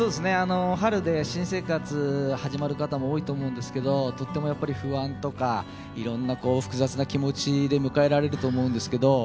春で、新生活が始まる方も多いと思いますがとっても不安とかいろんな複雑な気持ちで迎えられると思うんですけど。